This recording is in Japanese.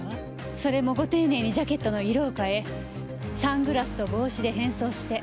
それもご丁寧にジャケットの色を変えサングラスと帽子で変装して。